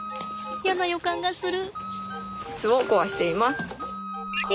やな予感がする。